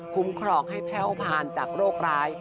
ครองให้แพ่วผ่านจากโรคร้าย